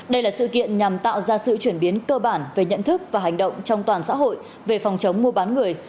đây là sự kiện nhằm tạo ra sự chuyển biến cơ bản về nhận thức và hành động trong toàn xã hội về phòng chống mua bán người